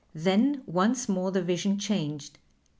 Then once more the vision changed.